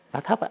nó thấp ạ